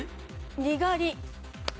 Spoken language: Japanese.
にがり。